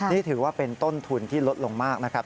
นี่ถือว่าเป็นต้นทุนที่ลดลงมากนะครับ